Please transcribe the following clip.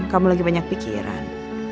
kamu lagi banyak pikiran